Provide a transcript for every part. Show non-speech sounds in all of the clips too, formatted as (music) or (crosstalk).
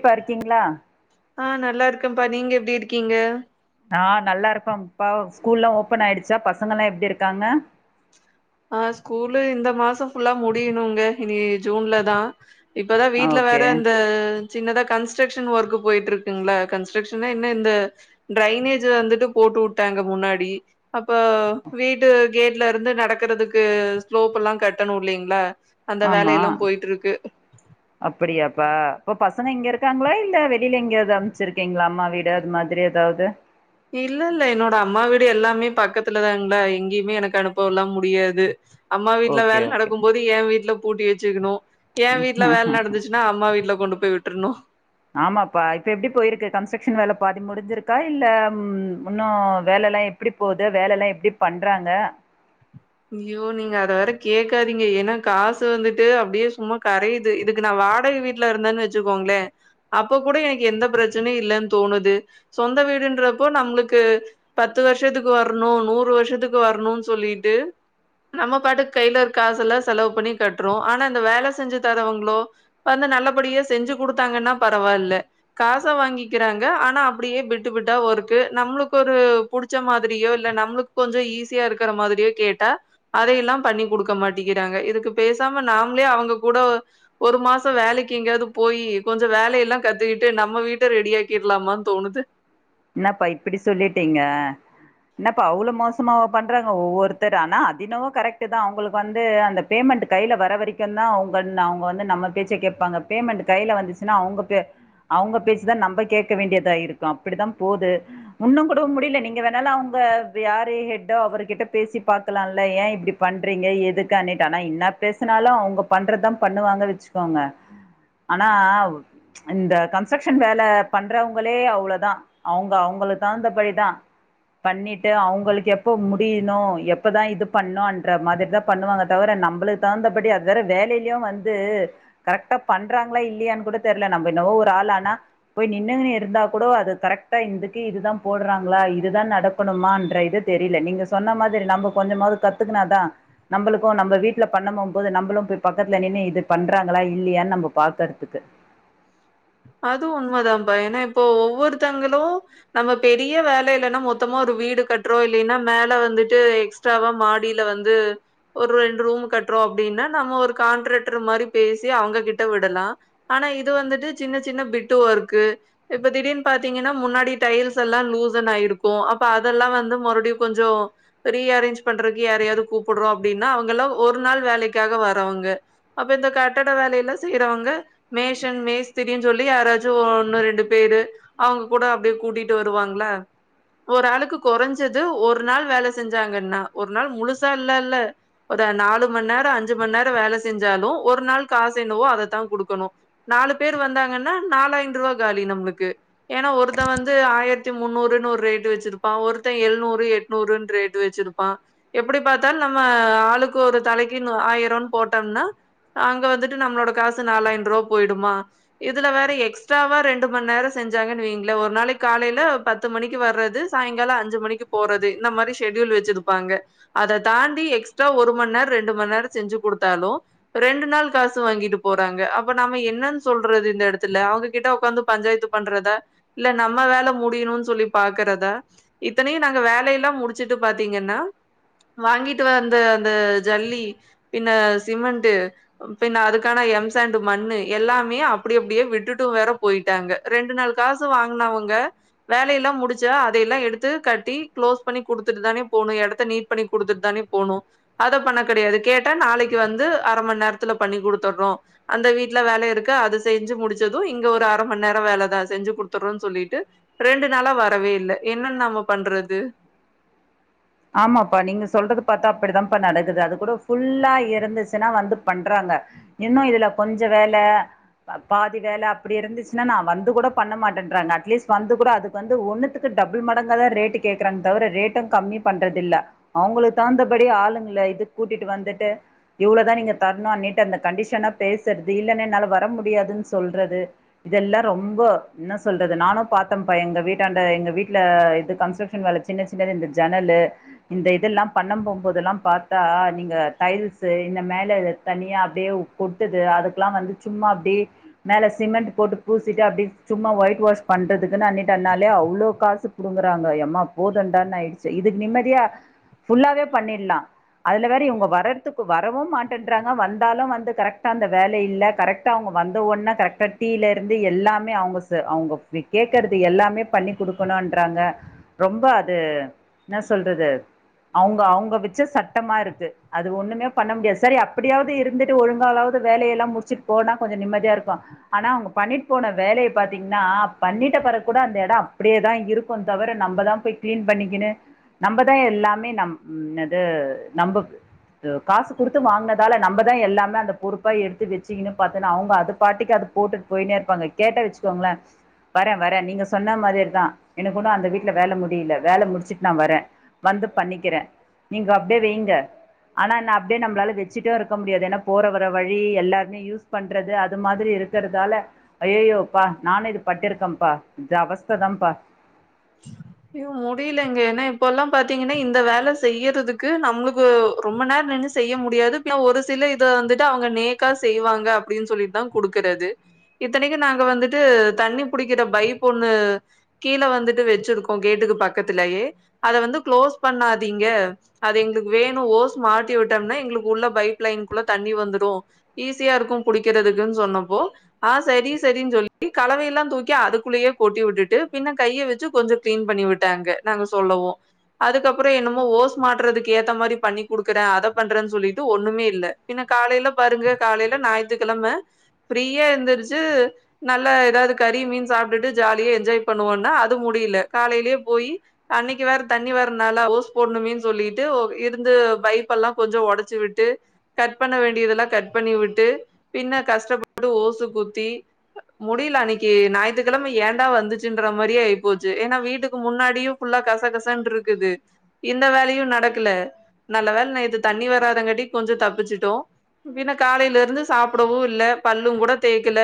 ப்ப இருக்கீங்களா ஆ நல்லா இருக்கேன்ப்பா நீங்க எப்படி இருக்கீங்க ஆ நல்லா இருப்பம்ப்பா ஸ்கூல்லா ஓப்பன் ஆயிடுச்சா பசங்கல்லா எப்படி இருக்காங்க ஆ ஸ்கூலு இந்த மாசோ ஃபுல்லா முடியணுங்க இனி ஜூன்ல தா இப்பதா ஆ, வீட்டு்ல ஓகே வேற அந்த சின்னதா கன்ஸ்ட்ரக்ஷன் ஒர்க் போயிட்டு இருக்குங்களா கன்ஸ்ட்ரக்ஷன் என்ன இந்த டிரைனேஜ் வந்துட்டு போட்டு விட்டாங்க முன்னாடி அப்ப வீட்டு கேட்ல இருந்து நடக்கறதுக்கு ஸ்லோப் எல்லா கட்டணு இல்லைங்களா அந்த ஆமா வேலையெல்லாம் போயிட்ருக்கு. அப்படியாப்பா இப்ப பசங்க இங்க இருக்காங்களா இல்ல வெளில எங்கயாவது அமைச்சிருக்கீங்களா அம்மா வீடு அது மாதிரி ஏதாவது இல்ல இல்ல என்னோட அம்மா வீடு எல்லாமே பக்கத்துலதாங்களா எங்கேயுமே எனக்கு அனுப்பவலா முடியாது அம்மா வீட்ல ஓகே வேலை ஓகே நடக்கு போது என் வீட்டுல பூட்டி வச்சுக்கணு என் வீட்டுல வேலை நடந்துச்சு என்ன அம்மா வீட்டல கொண்டு போய் விட்டுருணு ஆமாப்பா இப்ப எப்படி போயிருக்கு கன்ஸ்ட்ரக்ஷன் வேலை பாதி முடிஞ்சிருக்கா இல்ல இன்னு வேலலா எல்லாம எப்டி போது வேலல்லா எப்படி பண்றாங்க ஐயோ நீங்க அத வேற கேக்காதீங்க ஏன்னா காசு வந்துட்டு அப்டியே சும்மா கரையுது இதுக்கு நா வாடக வீட் வீட்ல இருந்தேன்னு வச்சுக்கோங்ளே அப்ப கூட எனக்கு எந்த பிரச்சனையு இல்லன்னு தோணுது சொந்த வீடுன்றப்போ நம்ளுக்கு பத்து வருஷத்துக்கு வரணு நூறு வருஷத்துக்கு வரணுனு சொல்லிட்டு நம்ம பாட்டுக் கைல இருக்க காசுல்லா செலவு பண்ணி கட்றோ ஆனா இந்த வேல செஞ்சு தரவங்களோ வந்து நல்லபடியே செஞ்சு கு டுத்தாங்கன்னா பரவால்ல காச வாங்கிக்கிறாங்க ஆனா அப்டியே பிட்டுபிட்டா ஒருக்கு நம்ளுக் கொரு புடிச்ச மாதிரியோ இல்ல நம்ளுக் கொஞ்சோ ஈஸியா இருக்கிற மாதிரியே கேட் அதையெல்லா பண்ணி் கொடுக்க மாட்டேங்கிறாங்க இதுக்கு பேசாம நாமளே அவங்க கூட ஒரு மாசோ வேலைக்கு எங்கேயாவது போய் கொஞ்சோ வேலைய எல்லாம் கத்துக்கிட்டு நம்ம வீட்ட ரெடி ஆக்கிடலாமான்னு தோணுது என்னப்பா இப்படி சொல்லிட்டீங்க என்னப்ப அவ்ளோ மோசமவ பண்றாங்க ஒவ்வொருத்தர் ஆனா எனம கரெக்டு தா அவங்களுக்கு வந்து அந்த பேமெண்ட் கையில வர வரைக்கு தா அவுங்க அவுங்க வந்து நம்ம பேச்சை கேட்பாங்க பேமெண்ட் கையில வந்துச்சுன்னா அவங்க பே அவுங்க பேசிதா நம்ம கேட்க வேண்டியதா இருக்கு அப்படித்தா போது ஒன்னு கூடவா முடியல நீங்க வேணாலு அவங்க யாரரு ஹெட்டோ அவர்கிட்ட பேசி பாக்கலாம்ல ஏன் இப்படி பண்றீங்க எதுக்குண்ணிட்டு ஆனா என்ன பேசுனாலு அவங்க பண்றதுதா பண்ணுவாங்க வச்சுக்கோங்க ஆனா இந்த கன்ஸ்ட்ரக்ஷன் வேலை பண்றவங்களே அவ்ளோதா அவுங்க அவுங்களுக்கு தகுந்த படிதா பண்ணிட்டு அவங்களுக்கு எப்ப முடியணு எப்பதான் இது பண்ணணுன்ற மாதிரிதா பண்ணுவாங்க தவிர நம்மளுக்கு தகுந்தபடி அதுவற வேலையிலயு வந்து கரெக்டா பண்றாங்களா இல்லையான்னு கூட தெரியல நம்ம இன்னமோ ஒரு ஆள் ஆனா போய்நின்னங்கன்னு இருந்தா கூட அது கரெக்ட் இக்கு இதுதா போடுறாங்களா இதுதா நடக்கணுமா இது தெரியல நீங்க சொன்ன மாதிரி நம்ம கொஞ்சமாவது கத்து கத்துக்குனாதா நம்மளுக்கு நம்ப வீட்டுல பண்ண போபோது நம்பளு போய் பக்கத்துல நின்னு இது பண்றாங்களா இல்லையான்னு நம்ம பாக்கறதுக்கு அதுவு உண்மதான்ப்பா ஏன்னா இப்போ ஒவ்வொருத்தங்களு நம்ம பெரிய வேல இல்ன்னா மொத்தமா ஒரு வீடு கட்டுறோ இல்லின்னா மேல வந்துட்டு எக் ஸ்ட்ராவா மாடியில வந்து ஒரு ரெண்டு ரூம் கட்றோ அப்டின்னா நம்ம ஒரு கான்ட்ராக்டர் மாரி பேசி அவுங்ககிட்ட விடலா ஆனா இது வந்துட்டு சின்ன சின்ன பிட்டு ஒர்க்க்கு இப்ப திடீனு பாத்தீங்கன்னா முன்னாடி டைல்ஸ் எல்லா லூசன் ஆயிருக்கு அப்ப அதெல்லா வந்து மறுபடியு கொஞ்சோ ரீ அரேஞ்ச் பண்றக்கு யாரையாது கூப்பிடுறோ அப்டின்னா அவுங்க எல்லா ஒரு நாள் வேலைக்காக வரவங்க அப்ப இந்த கட்டட வேலையல்ல செய்யறவங்க மேஷன் மேஸ் திரீனு சொல்லி யாராச்சும ஒன்னு ரெண்டு பேரு அவுங்க கூட அப்டியே கூட்டிட்டு வருவாங்களா ஒரு ஆளுக்கு கொறஞ்சது ஒரு நாள் வேல செஞ்சாங்கன்னா ஒரு நாள் முழுசா இல்ல இல்ல ஒரு நாலு மண்நேரோ அஞ்சு மண்நேரோ வேல செஞ்சாலு ஒரு நாள் காசு என்னவோ அதத்தா குடுக்கணு நாலு பேர் வந்தாங்கன்னா நாலைந்து ரூவா காலி நம்ளுக்கு ஏன்னா ஒருத்த வந்து ஆயிரத்தி முன்னூறுன்னு ஒரு ரேட்டு வச்சிருப்பா ஒருத்த எழுநூறு எட் நூறுன் ரேட்டு வச்சிருப்பா எப்டி பாத்தாலு நம்ம ஆளுக்கு ஒரு தலைக்குன்னு ஆயிரோம்ன்னு போட்டோன்னா அங்க வந்துட்டு நம்மளோட காசு நாலாய்ந்து ரூவா போய்டுமா இதுல வேற எக்ஸ்ட்ராவா ரெண்டு மண் நேரோ செஞ்சாங்கன்னு வெய்ங்களே ஒரு நாளைக்கு காலையில பத் து மணிக்கு வர்றது சாயங்கால அஞ்சு மணிக்கு போறது இந்த மாரி ஷெட்யூல் வச்சிருப்பாங்க அதத் தாண்டி எக்ஸ்ட்ரா ஒரு மண் நேரோ ரெண்டு மண் நேரோ செஞ்சு குடுத்தாலு ரெண்டு நாள் காசு வாங்கிட்டு போறாங்க அப்ப நம்ம என்னென் சொல்றது இந்த எடத்துல அவுங்ககிட்ட உக்காந்து பஞ்சாயத்து பண்றத இல்ல நம்ம வேல முடியணும்ன்னு சொல்லி பாக்குறதா இத்தனயு நாங்க வேலையெல்லா முடிச்சிட்டு பாத்தீங்கன்னா வாங்கிட்டு வந்த அந்த ஜல்லி பின்ன சிமிண்ட்டு பின்ன அதுக்கான எம் ஸாண்டு மண்ணு எல்லா மே அப்டி அப்டியே விட்டுட்டு வேற போயிட்டாங்க ரெண்டு நாள் காசு வாங்கினவங்க வேல எல்லா முடிச்சா அதையெல்லா எடுத்து கட்டி க்ளோஸ் பண்ணி குடுத்துட்டு தானே போணு எடத்த நீட் பண்ணி குடுத்துட்டு தானே போணு அத பண்ண கடையாது கேட்ட நாளைக்கு வந்து அர மண் நேரத்துல பண்ணி குடுத்துறோ அந்த வீட்டுல வேல இருக் (unintelligible) அத செஞ்சு முடிச்சது இங்க ஒரு அர மண் நேரோ வேலதா செஞ்சு குடுத்துறன்னு சொல்லிட்டு ரெண்டு நாளா வரவே இல்ல என்னன்னு நாம பண்றது ஆமாப்பா நீங்க சொல்றது பாத்தா அப்டித்தான்ப்பா நடக்குது அது கூட ஃபுல்லா இருந்துச்சுன்னா வந்து பண்றாங்க இன்னோ இதுல கொஞ்ச வேல பாதி வேல அப்டி இருந்துச்சுன்னா நா வந்து கூட பண்ண மாட்டேன்றாங்க அட்லீஸ்ட் வந்து கூட அது வந்து ஒன்னுத்துக்கு டபுள் மடங்கா தா ரேட்டு கேக்குறாங்க தவர ரேட்டு கம்மி பண்றதில்ல அவுங்களுக்கு தகுந்தபடி ஆளுங்கள இது கூட்டிட்டு வந்துட்டு இவ்வளவுதா நீங்க தர்ணு அன்னிட்டு அந்த கண்டிஷனா பேசுறது இல்லேன்னா என்னால வர முடியாதுன்னு சொல்றது இதெல்லா ரொம்போ இன்ன சொல்றது நானு பாத்தேன்ப்பா எங்க வீட்டாண்ட எங்க வீட்ல இது கன்ஸ்ட்ரக்ஷன் வேல சின்ன சின்னது இந்த ஜன்னலு இந்த இதெல்லா பண்ண போம்போதெல்லா பாத்தா நீங்க டைல்ஸு இந்த மேல தனியா அப்டியே கொட்டுது அதுக்கெல்லா வந்து சும்மா அப்டியே மேல சிமெண்ட் போட்டு பூசிட்டு அப்டீ சும்மா ஒயிட் வாஷ் பண்றதுக்குன்னு அன்னிட்டன்னாலே அவ்வளோ காசுப் புடுங்கறாங்க எம்மா போதுண்டான்னு ஆயிடுச்சு இதுக்கு நிம்மதியா ஃபுல்லாவே பண்ணிடலா அதுல வேற இவுங்க வர்றதுக்கு வரவும் மாட்டேன்றாங்க வந்தாலு வந்து கரெக்ட்டா அந்த வேல இல்ல கரெக்ட் க்ட்டா அவங்க வந்த ஒடனே கரெக்டா டீல இருந்து எல்லாமே அவுங்க சொ அவுங்க கேட்குறது எல்லாமே பண்ணி குடுக்கணும்ன்றாங்க ரொம்ப அது என்ன சொல்றது அவுங்க அவுங்க வச்ச சட்டமா இருக்கு அது ஒண்ணுமே பண்ண முடியாது சரி அப்பிடியாவது இருந்துட்டு ஒழுங்காவாவது வேலயெல்லாம் முடிச்சுட்டு போனா கொஞ்சோ நிம்மதியா இருக்கு ஆனா அவுங்க பண்ணிட்டுப் போன வேலையப் பாத்தீங்கன்னா பண்ணிட்ட பெறக் கூட அந்த எடம் அப்பிடியேதான் இருக் க்குந் தவிர நம்ப தான் போய் கிளீன் பண்ணிக்கணு நம்ப தான் எல்லாமே நம் ம் என்னது நம்பு து காசு குடுத்து வாங்கினதால நம்பதான் எல்லாமே அந்த பொருட் ப்ப எடுத்து வச்சிங்கன்னு பாத்தேன்னா அவுங்க அது பாட்டிக்கு அதப் போட்டுட்டு போயக்கினே இருப்பாங்க கேட்டா வச்சுக்கோங்களே வரேன் வரன் நீங்க சொன்னா மாதிரி தான் எனக்கு ஒன்னு அந்த வீட்டுல வேல முடியலே வேல முடிச்சுட் நான் வரேன் வந்து பண்ணிக்கிறேன் நீங்க அப்டியே வைங்க ஆனா என்ன அப்பிடியே நம்மால வச்சுட்டே இருக்க முடியாது ஏன்னா போற வர்ற வழி எல்லாருமே யூஸ் பண்றது அது மாதிரி இருக்குறதால ஐய்யய்யோப்பா நானு இது பட்டிருக்கன்ப்பா இது அவஸ்ததான்ப்பா யோ முடிலைங்க ஏன்னா இப்பல்லா பாத்தீங்கன்னா இந்த வேல செய்யறதுக்கு நம்மளுக்கு ரொம்ப நேர நின்னு செய்ய முடியாது ஒரு சில இத வந்துட்டு அவங்க நேக்கா செய்வாங்க அப்டின் சொல்லிட்தா குடுக்குறது இத்தனிக்கு நாங்க வந்துட்டு தண்ணி புடிக்கிற பைப்பொன்னு கீழ வந்துட் வச்சிருக்கோ கேட்டுக்கு பக்கத்திலயே அத வந்து க்ளோஸ் பண்ணாதீங்க அது எங்குளுக்கு வேணு ஓஸ் மாட்டி விட்டம்னா எங்குளுக்கு உள்ள பைப் லைனுக்குள்ள தண்ணி வந்துடு ஈஸியா இருக்கு புடிக்கிறதுக்குன் சொன்னப்போ ஆ சரி சரின் சொல்லி கலவையல்லா தூக்கி அதுகுள்ளயே கொட்டி விட்டுட்டு பின்ன கைய வெச்சு கொஞ்சோங் க்ளீன் பண்ணி விட்டாங்க நாங்க சொல்லவு அதுக்கப்புறோ என்னமோ ஓஸ் மாட்றதுக்கு ஏத்த மாரி பண்ணி குடுக்குற அத பண்றன் சொல்லிட்டு ஒண்ணுமே இல்ல பின்ன காலைல பாருங்க காலைல ஞாயித்துக்கிழம ஃப்ரீயா எந்திரிச்சு நல்லா ஏதாது கறி மீன் சாப்டுட்டு ஜாலியா என்ஜாய் பண்ணுவோன்னா முடியில காலைலியே போயி அன்னைக்கு வேற தண்ணி வற நாளா ஓஸ் போட்ணுமேன் சொல்லிட்டு இருந்து பைப்பல்லா கொஞ்சோ ஒடச்சிவிட்டு கட் பண்ண வேண்டியதல்லா கட் பண்ணி விட்டு பின்ன கஷ்டப்பட்டு ஓசு குத்தி முடில அன்னைக்கி ஞாயித்க்கெழம ஏண்டா வந்துச்சுன்ற மாரியே போச்சு ஏன்னா வீட்டுக்கு முன்னாடியும் ஃபுல்லா கச கசன்ட்டு இருக்குது இந்த வேலயும் நடக்கலே நல்ல வேல நேத்து தண்ணி வராதங்கட்டி கொஞ்சோ தப்பிச்சுட்டோ பின்ன காலையில இருந்து சாப்பிடவு இல்ல பல்லும் கூட தேக்கல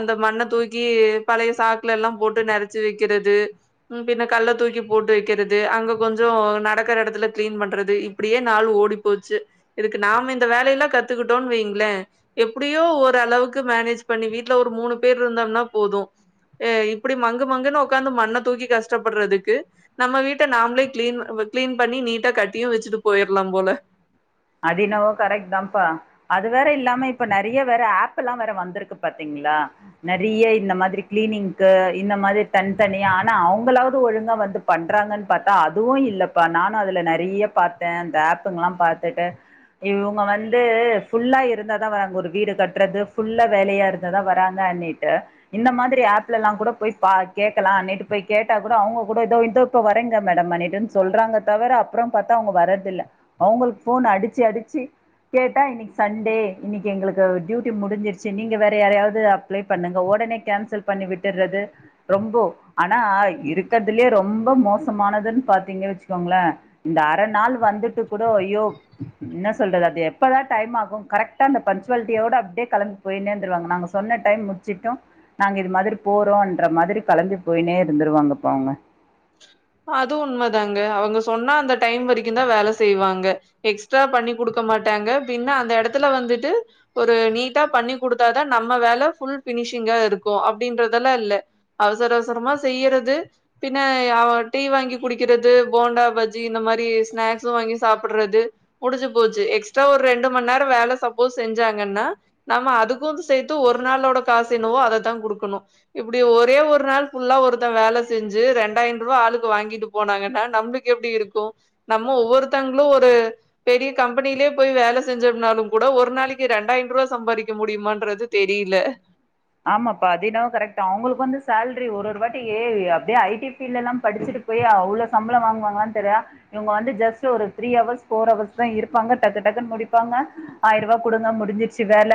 அந்த மண்ணத் தூக்கி பழைய சாக்குல எல்லாம் போட்டு நெறச்சி வக்கிறது பின்ன கல்ல தூக்கி போட்டு வக்கிறது அங்க கொஞ்சோ நடக்கிற எடத்துல கிளீன் பண்றது இப் அப்டியே நாள் ஓடி போச்சு இதுக்கு நாம இந்த வேலையெல்லாம் கத்துக்கிட்டோம்ன்னு வைங்களேன் எப்பிடியோ ஓரளவுக்கு மேனேஜ் பண்ணி வீட்டுல ஒரு மூணு பேர் இருந்தோம்னா போது ஏ இப்பிடி மங்கு மங்குன்னு உக்காந்து மண்ணத் தூக்கி கஷ்டப்பட்றதுக்கு நம்ம வீட்ட நாமளே கிளீன் கிளீன் பண்ணி நீட்டா கட்டியும் வச்சிட்டு போயிரலாம் போல அதின்னாவோ கரக்ட்தாம்ப்பா அது வேற இல்லாம இப்ப நெறிய வேற ஆப்பல்லா வேற வந்துருக்கு பாத்தீங்களா நெறிய இந்த மாதிரி கிளீனிங்க்கு இந்த மாதிரி தனித்தனியா ஆனா அவுங்களாவது ஒழுங்கா வந்து பண்றாங்கன் பாத்தா அதுவு இல்லப்பா நானு அதுல நெறிய பாத்தன் அந்த ஆப்புங்கல்லா பாத் (unintelligible) இவுங்க வந்து ஃபுல்லா இருந்தாதா வ ஒரு வீடு கட்றது ஃபுல்லா வேலையாரு ந்தாதா வராங்க அண்ணிட்டு இந்த மாதிரி ஆப்லல்லாங் கூட போய் பா கேக்கலா நேத்து போய் கேட்டா கூட அவுங்க கூட இதோ இதோ இப்போ வரைங்க மேடம் மனிட்டுன் சொல்றாங்க தவர அப்றோம் பாத்தா அவுங்க வரதில்ல அவுங்கள்க் போன் அடிச்சி அடிச்சி கேட்டா இன்னிக்கு சண்டே இன்னிக்கு எங்களுக்கு டியூட்டி முடிஞ்சிருச்சி நீங்க வேற யாராவது அப்ளே பண்ணுங்க ஒடனே கேன்சல் பண்ணி விட்டுறது ரொம்போ ஆனா இருக்கறதுலியே ரொம்போ மோசமானதுன் பாத்தீங்க வச்சிக்கோங்கள இந்த அர நாள் வந்துட்டு கூட ஐயோ என்ன சொல்றது அது எப்பதா டைம் ஆகு கரெக்டா அந்த பன்ச்சுவாலிட்டியோட அப்டியே கலம்பி போய்னேந்துருவாங்க நாங்க சொன்ன டைம் முடிச்சிட்டோ நாங்க இது மாரி போறோன்ற மாதிரி கலம்பி போய்னே இருந்துருவாங்கப்பா அவுங்க அது உண்மதாங்க அவங்க சொன்னா அந்த டைம் வரைக்குந்தா வேல செய்வாங்க எக்ஸ்ட்ரா பண்ணி குடுக்க மாட்டாங்க பின்ன அந்த எடத்துல வந்துட்டு ஒரு நீட்டா பண்ணி குடுத்தாதா நம்ம வேல ஃபுல் பினிஷிங்கா இருக்கு அப்டின்றதல்லா இல்ல அவசர அவசரமா செய்யறது பின்ன ஆவட் டீ வாங்கி குடிக்கிறது போண்டா பஜ்ஜி இந்த மாரி ஸ்நேக்ஸும் வாங்கி சாப்புட்றது முடிஞ்சி போச்சி எக்ஸ்ட்ரா ஒரு ரெண்டு மண் நேர வேல சப்போஸ் செஞ்சாங்கன்னா நம்ம அதுக்கு சேத்து ஒரு நாளோட காசு என்னவோ அதத்தா குடுக்கணு இப்டி ஒரே ஒரு நாள் ஃபுல்லா ஒருத்தன் வேல செஞ்சி ரெண்டாயின்ரூவா ஆளுக் கு வாங்கிட்டு போனாங்கன்னா நம்புளுக்கு எப்டி இருக்கு நம்ம ஒவ்வொருத்தங்களு ஒரு பெரிய கம்பனிலியே போய் வேல செஞ்சம்னா கூட ஒரு நாளைக்கு ரரண்டாயின்ரூவா சம்பாரிக்க முடியுமான்றது தெரில ஆமாப்பா அதின்னவோ கரெக்டாவ் அவுங்களுக்கு வந்து சேல்ரி ஒறொருவாட்டி ஏ அப்டே ஐடி பீல்டல்லா படிச்சிட்டு பேயே அவ்ளோ சம்பளோ வாங்குவாங்களான்னு தெரியா இவங்க வந்து ஜஸ்ட் ஒரு த்ரீ ஹவர்ஸ் போர் ஹவர்ஸ் தா இருப்பாங்க டக்கு டக்குன்னு முடிப்பாங்க ஆயிரோ ரூபா குடுங்க முடிஞ்சிருச்சி வேல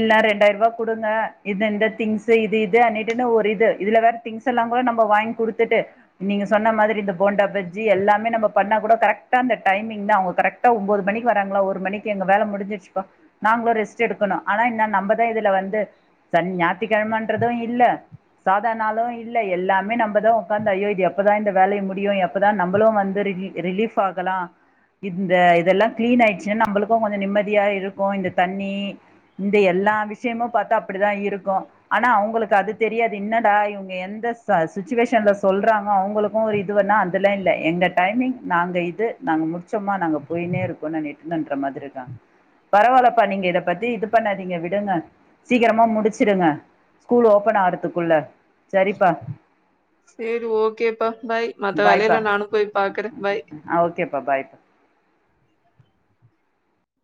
இல்ல ரெண்டாயிர ரூபா குடுங்க இந்த இந்த திங்சு இது இது அணி தின்ன ஒரு இது இதுல வேற திங்ஸ் எல்லா கூட நம்ம வாங்கி குடுத்துட்டு நீங்க சொன்ன மாதிரி இந்த போண்டா பஜ்ஜி எல்லாமே நம்ம பண்ணா கூட கரெக்டா இந்த டைமிங் தா அவங்க கரெக்ட் கரெக்டா ஒன்போது மணிக்கு வராங்களா ஒரு மணிக்கு எங்க வேல முடிஞ்சிருச்சுப்பா நாங்களு ரெஸ்ட் எடுக்கணு ஆனா இன்னா நம்மதா இதுல வந்து சனி ஞாயிற்றுக்கிழமன்றது இல்ல சாதாரணாலு இல்ல எல்லாமே நம்ப தா உக்காந்து ஐயோ இது எப்போதா இந்த வேலைய முடியு எப்போ தா நம்மளு வந்துரு ரிஜி ரிலீஃப் ஆகலா இந்த இதெல்லா கிளீன் ஆயிடுச்சின்னா நம்மளுக்கு கொஞ்சோ நிம்மதியா இருக்கு இந்த தண்ணி இந்த எல்லா விஷயமு பாத்தா அப்டிதா இருக்கு ஆனா அவங்களுக்கு அது தெரியாது என்னடா இவங்க எந்த சிச்சுவேஷன்ல சொல்றாங்க அவங்களுக் மோரு இது வேனா அதில இல்ல எங்க டைமிங் நாங்க இது நாங்க முடிச்சோம்மா நாங்க போயினே இருப்போ நானே நன்ற மாதிரிதா பரவா இல்லப்பா நீங்க இத பத்தி இது பண்ணாதீங்க விடுங்க சீக்கரமா முடிச்சிடுங்க ஸ்கூல் ஓபன் ஆறதுக்குள்ள சரிப்பா சேரி ஓகேப்பா பாய் மத்த பாய்ப்பா வேலயல்லா நானு போய் பாக்குற பாய் ஆ ஓகேப்பா பாய்பா